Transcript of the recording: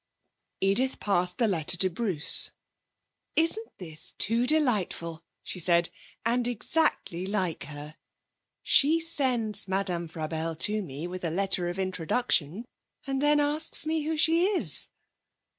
Edith passed the letter to Bruce. 'Isn't this too delightful?' she said; 'and exactly like her? She sends Madame Frabelle to me with a letter of introduction, and then asks me who she is!'